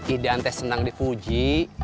idan teh senang dipuji